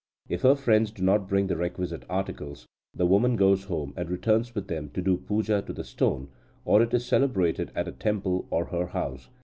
If her friends do not bring the requisite articles, the woman goes home, and returns with them to do puja to the stone, or it is celebrated at a temple or her house.